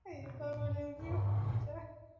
matangazo mafupi ni rahisi kuzingatiwa na wasikilizaji